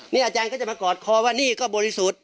นี่อาจารย์ก็จะมากอดคอว่านี่ก็บริสุทธิ์